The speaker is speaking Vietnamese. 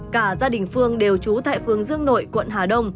cả gia đình phương đều trú tại phường dương nội quận hà đông